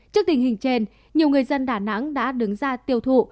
trước tình hình trên nhiều người dân đà nẵng đã đứng ra tiêu thụ